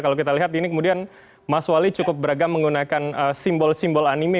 kalau kita lihat ini kemudian mas wali cukup beragam menggunakan simbol simbol animi